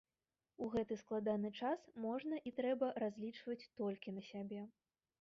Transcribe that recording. У гэты складаны час можна і трэба разлічваць толькі на сябе.